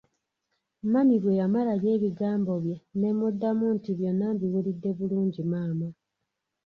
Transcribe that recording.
Mami bwe yamalayo ebigambo bye ne mmuddamu nti byonna mbiwulidde bulungi maama.